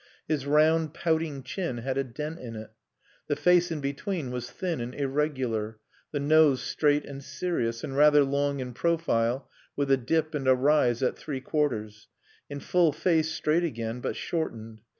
His round, pouting chin had a dent in it. The face in between was thin and irregular; the nose straight and serious and rather long in profile, with a dip and a rise at three quarters; in full face straight again but shortened.